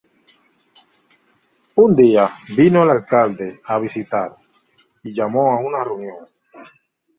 Un día vino el alcalde a visitar y llamó a una reunión.